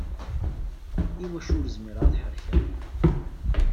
Iwacu ur zmireɣ ad ḥerrkeɣ?